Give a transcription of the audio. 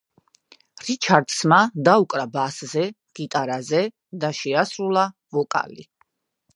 რიჩარდსმა დაუკრა ბასზე, გიტარაზე და შეასრულა, ვოკალი.